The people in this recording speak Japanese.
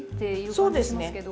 そうですね。